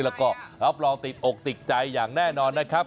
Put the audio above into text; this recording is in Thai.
แล้วก็รับรองติดอกติดใจอย่างแน่นอนนะครับ